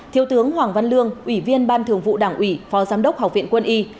thiếu tướng hoàng văn lương ủy viên ban thường vụ đảng ủy phó giám đốc học viện quân y